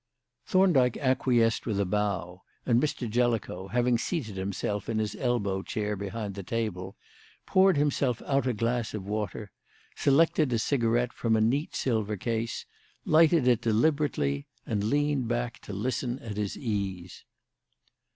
Thorndyke acquiesced with a bow, and Mr. Jellicoe, having seated himself in his elbow chair behind the table, poured himself out a glass of water, selected a cigarette from a neat silver case, lighted it deliberately, and leaned back to listen at his ease.